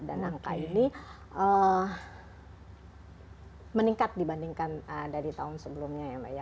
dan angka ini meningkat dibandingkan dari tahun sebelumnya ya mbak ya